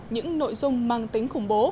những nội dung mang tính khủng bố